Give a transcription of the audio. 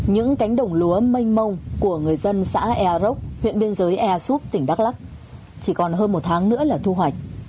những cánh đồng lúa mênh mông của người dân xã ea rốc huyện biên giới ea súp tỉnh đắk lắc chỉ còn hơn một tháng nữa là thu hoạch